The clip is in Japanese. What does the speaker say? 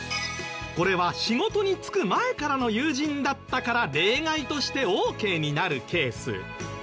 これは仕事に就く前からの友人だったから例外としてオーケーになるケース。